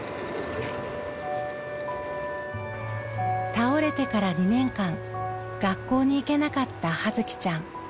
倒れてから２年間学校に行けなかった葉月ちゃん。